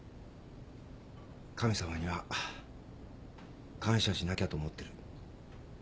神様には感謝しなきゃと思ってる。